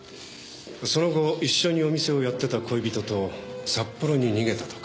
その後一緒にお店をやってた恋人と札幌に逃げたとか。